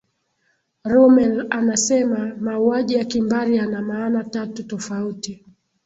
rummel anasema mauaji ya kimbari yana maana tatu tofauti